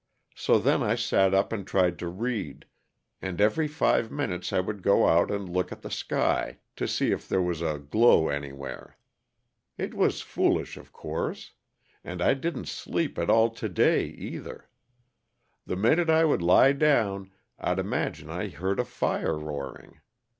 So then I sat up and tried to read, and every five minutes I would go out and look at the sky, to see if there was a glow anywhere. It was foolish, of course. And I didn't sleep at all to day, either. The minute I would lie down I'd imagine I heard a fire roaring.